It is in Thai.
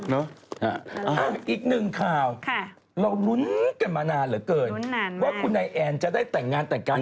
อีกหนึ่งข่าวเรารุ้นกันมานานเหลือเกินว่าคุณนายแอนจะได้แต่งงานแต่งกัน